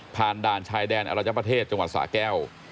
ด่านชายแดนอรัญญประเทศจังหวัดสาแก้ว